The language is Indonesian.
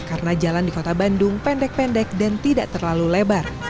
karena jalan di kota bandung pendek pendek dan tidak terlalu lebar